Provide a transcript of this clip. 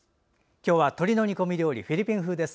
今日は鶏の煮込み料理フィリピン風です。